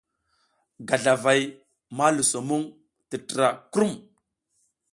Gazlavay ma luso muŋ tətra krum.